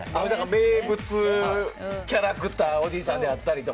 名物キャラクターおじさんであったりとか。